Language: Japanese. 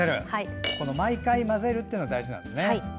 毎回、混ぜるのが大事なんですね。